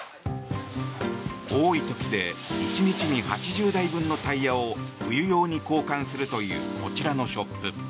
多い時で１日に８０台分のタイヤを冬用に交換するというこちらのショップ。